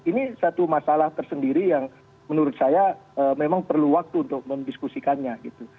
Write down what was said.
ini satu masalah tersendiri yang menurut saya memang perlu waktu untuk mendiskusikannya gitu